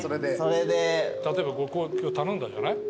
例えば今日頼んだじゃない？